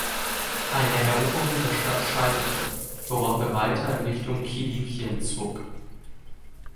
Eine Eroberung der Stadt scheiterte, worauf er weiter in Richtung Kilikien zog.